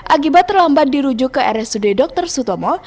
akibat terlambat dirujuk ke rsud dr sutomo